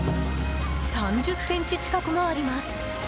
３０ｃｍ近くもあります。